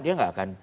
dia enggak akan